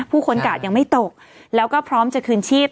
คนกาดยังไม่ตกแล้วก็พร้อมจะคืนชีพ